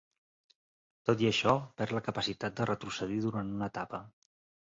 Tot i això, perd la capacitat de retrocedir durant una etapa.